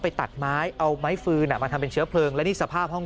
ไปตัดไม้เอาไม้ฟืนมาทำเป็นเชื้อเพลิงและนี่สภาพห้อง